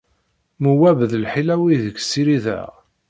Muwab d lḥila-w ideg ssirideɣ.